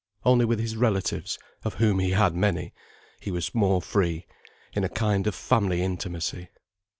Only with his relatives, of whom he had many, he was more free, in a kind of family intimacy.